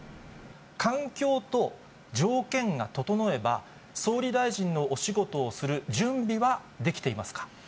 環境と条件が整えば、総理大臣のお仕事をする準備はできていますか。